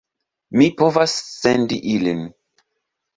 Mi povas sendi ilin.